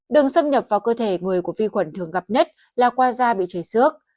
đường xâm nhập vào cơ thể người của vi khuẩn thường gặp nhất là qua da bị chảy xước